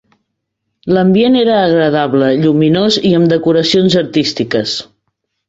L'ambient era agradable, lluminós i amb decoracions artístiques.